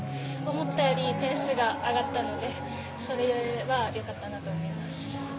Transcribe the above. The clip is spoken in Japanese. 思ったより点数が上がったのでそれはよかったなと思います。